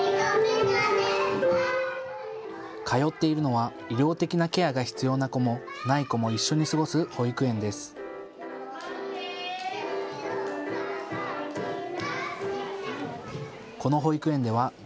通っているのは医療的なケアが必要な子も、ない子も一緒に過ごす保育園です。